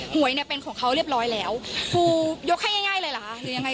หวยเนี่ยเป็นของเขาเรียบร้อยแล้วครูยกให้ง่ายเลยเหรอคะหรือยังไง